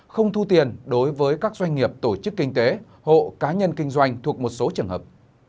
không thu tiền đối với các doanh nghiệp tổ chức kinh tế hộ cá nhân kinh doanh thuộc một số trường hợp